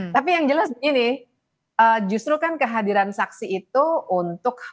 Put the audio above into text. tapi yang jelas begini justru kan kehadiran saksi itu untuk